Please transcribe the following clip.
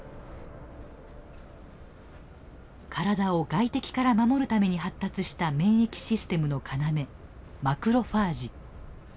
体を外敵から守るために発達した免疫システムの要マクロファージ。